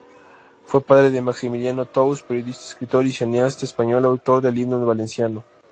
Fue padre de Maximiliano Thous, periodista, escritor y cineasta español, autor del himno valenciano.